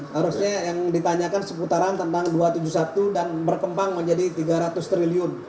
harusnya yang ditanyakan seputaran tentang dua ratus tujuh puluh satu dan berkembang menjadi tiga ratus triliun